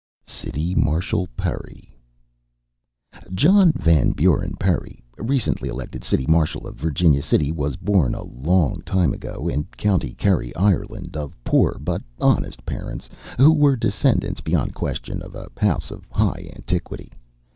CITY MARSHAL PERRY John Van Buren Perry, recently re elected City Marshal of Virginia City, was born a long time ago, in County Kerry, Ireland, of poor but honest parents, who were descendants, beyond question, of a house of high antiquity.